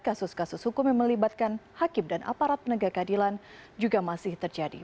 kasus kasus hukum yang melibatkan hakim dan aparat penegak kadilan juga masih terjadi